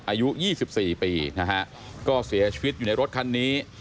อายุ๒๔ปีนะฮะก็เสียชีวิตอยู่ในรถคันนี้